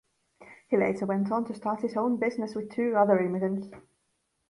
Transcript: He later went on to start his own business with two other immigrants.